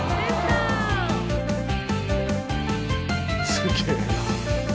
すげぇな。